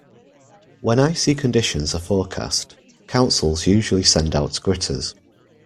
When icy conditions are forecast, councils usually send out gritters.